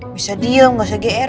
bisa diem nggak usah gr